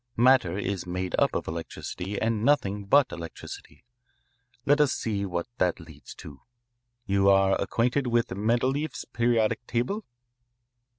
Matter is made up of electricity and nothing but electricity. Let us see what that leads to. You are acquainted with Mendeleeff's periodic table?"